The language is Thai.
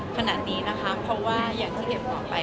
ขนาดนี้นะคะเพราะว่าอย่างที่เอ็มต่อไป